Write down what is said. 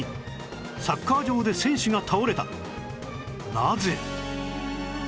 なぜ？